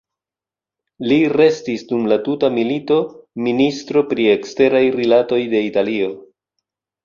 Li restis dum la tuta milito ministro pri eksteraj rilatoj de Italio.